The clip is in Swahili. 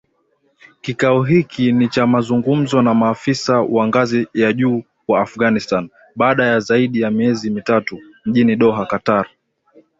Kikao hiki ni cha mazungumzo na maafisa wa ngazi ya juu wa Afghanistan, baada ya zaidi ya miezi mitatu, mjini Doha, Qatar